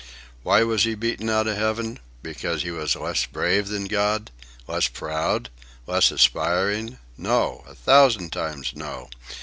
Why was he beaten out of heaven? Because he was less brave than God? less proud? less aspiring? No! A thousand times no!